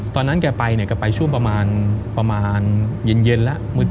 ตอนนั้นแกไปก็ไปช่วงประมาณเย็นแล้ว